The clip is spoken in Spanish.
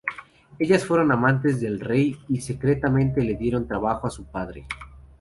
Ellas fueron amantes del rey y secretamente le dieron trabajo a su padre.